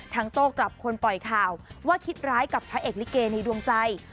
โต้กลับคนปล่อยข่าวว่าคิดร้ายกับพระเอกลิเกในดวงใจ